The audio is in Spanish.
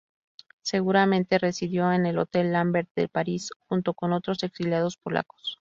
Seguramente residió en el Hôtel Lambert de París, junto con otros exiliados polacos.